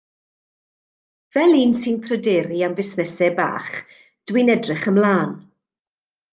Fel un sy'n pryderu am fusnesau bach, dw i'n edrych ymlaen.